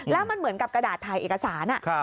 แล้วมันเหมือนกับกระดาษถ่ายเอกสาร